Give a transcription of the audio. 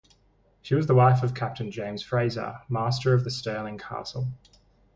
She was the wife of Captain James Fraser, master of the "Stirling Castle".